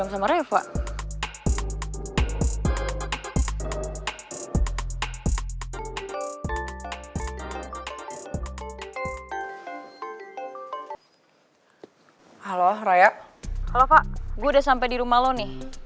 gue udah sampe di rumah lo nih